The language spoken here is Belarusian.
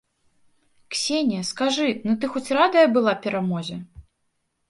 Ксенія, скажы, ну ты хоць радая была перамозе?